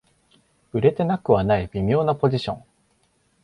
売れてなくはない微妙なポジション